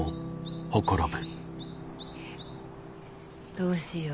どうしよう。